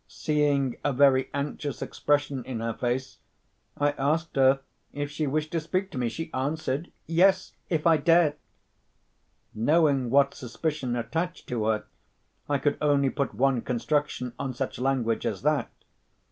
Seeing a very anxious expression in her face, I asked her if she wished to speak to me. She answered, 'Yes, if I dare.' Knowing what suspicion attached to her, I could only put one construction on such language as that.